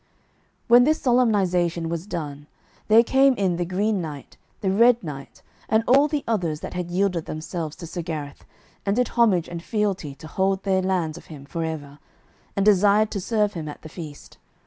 When this solemnisation was done there came in the Green Knight, the Red Knight, and all the others that had yielded themselves to Sir Gareth, and did homage and fealty to hold their lands of him for ever, and desired to serve him at the feast.